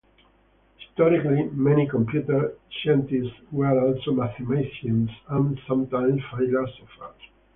Historically, many computer scientists were also mathematicians and sometimes philosophers.